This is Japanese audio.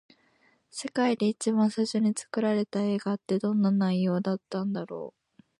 世界で一番最初に作られた映画って、どんな内容だったんだろう。